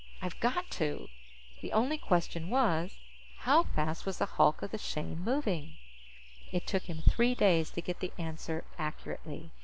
I've got to._ The only question was, how fast was the hulk of the Shane moving? It took him three days to get the answer accurately.